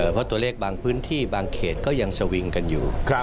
เพราะตัวเลขบางพื้นที่บางเขตก็ยังสวิงกันอยู่